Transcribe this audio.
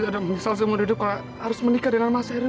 ada misal semua hidup harus menikah dengan mas erwin